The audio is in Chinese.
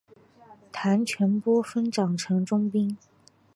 谭全播分掌城中兵。